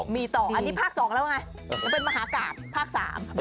มีต่ออันนี้พากสองแล้วไงเป็นมหากาศภาคสาม